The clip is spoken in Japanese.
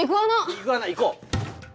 イグアナ行こう。